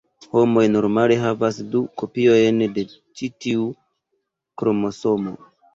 Homoj normale havas du kopiojn de ĉi tiu kromosomo.